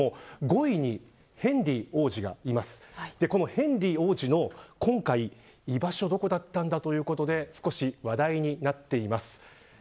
ヘンリー王子の今回、居場所がどこだったんだということで少し話題になっています。